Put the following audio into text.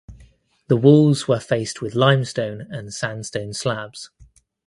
The walls were faced with limestone and sandstone slabs.